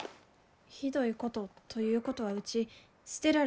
「ひどいこと」ということはうち捨てられたわけ？